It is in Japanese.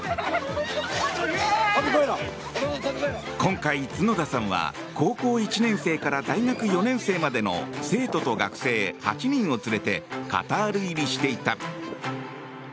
今回、角田さんは高校１年生から大学４年生までの生徒と学生８人を連れてカタール入りしていた。